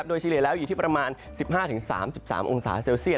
โดยเฉลี่ยแล้วอยู่ที่ประมาณ๑๕๓๓องศาเซลเซียต